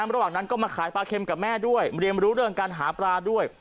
ระหว่างนั้นก็มาขายปลาเค็มกับแม่ด้วยเรียนรู้เรื่องการหาปลาด้วย